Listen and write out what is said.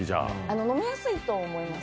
飲みやすいと思います。